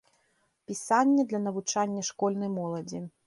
Пісання для навучання школьнай моладзі.